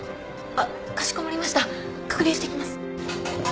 あっかしこまりました確認してきます。